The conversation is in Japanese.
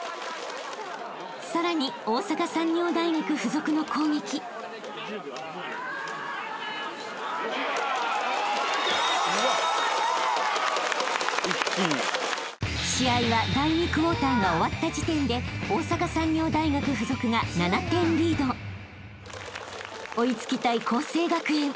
［さらに大阪産業大学附属の攻撃］［試合は第２クォーターが終わった時点で大阪産業大学附属が７点リード］［追い付きたい佼成学園］